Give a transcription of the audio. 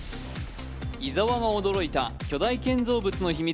伊沢が驚いた巨大建造物の秘密